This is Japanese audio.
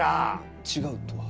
違うとは？